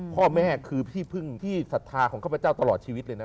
พ่อแม่คือที่พึ่งที่ศรัทธาของข้าพเจ้าตลอดชีวิตเลยนะ